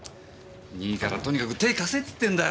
いいからとにかく手貸せっつってんだよ。